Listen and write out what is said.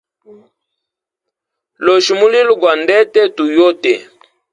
Losha mulilo gwa ndete tu yote.